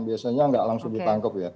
biasanya enggak langsung ditangkep ya